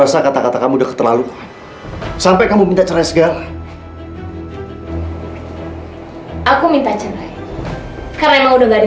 sampai jumpa di video selanjutnya